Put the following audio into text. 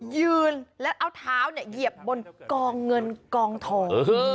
ยืนแล้วเอาเท้าเนี่ยเหยียบบนกองเงินกองทอง